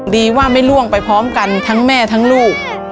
ดีว่าไม่ล่วงไปพร้อมกันทั้งแม่ทั้งลูก